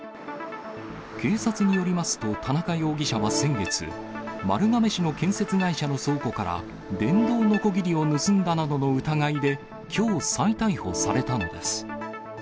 警察によりますと、田中容疑者は先月、丸亀市の建設会社の倉庫から、電動のこぎりを盗んだなどの疑いで、きょう、再逮捕されたのです。